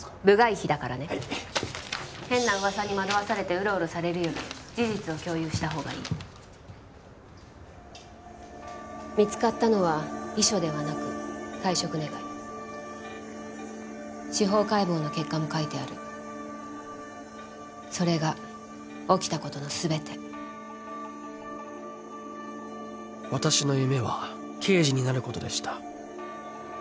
部外秘だからねはい変な噂に惑わされてウロウロされるより事実を共有した方がいい見つかったのは遺書ではなく退職願司法解剖の結果も書いてあるそれが起きたことのすべて「私の夢は刑事になることでした」